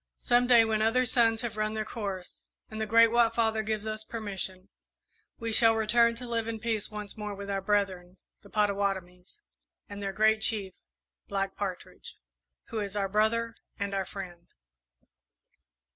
Some day, when other suns have run their course, and the Great White Father gives us permission, we shall return to live in peace once more with our brethren, the Pottawattomies, and their Great Chief, Black Partridge, who is our brother and our friend.